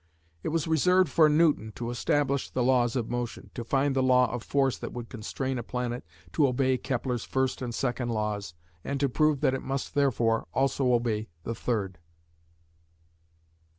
It was reserved for Newton to establish the Laws of Motion, to find the law of force that would constrain a planet to obey Kepler's first and second Laws, and to prove that it must therefore also obey the third.